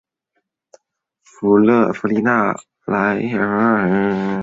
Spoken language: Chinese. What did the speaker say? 弗利讷莱莫尔塔涅人口变化图示